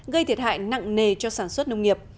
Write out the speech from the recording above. gây thiệt hại nặng nề cho sản xuất nông nghiệp